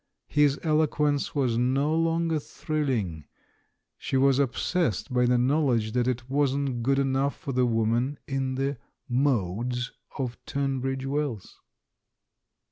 His eloquence was no longer thrilling — she was obsessed by the knowledge that it wasn't good enough for the woman in the modes of Tunbridge Wells.